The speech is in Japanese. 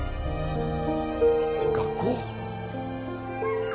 学校？